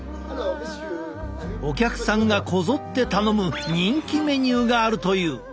お客さんがこぞって頼む人気メニューがあるという。